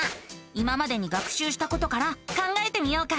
今までに学しゅうしたことから考えてみようか。